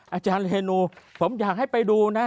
อาจารย์เรนูผมอยากให้ไปดูนะ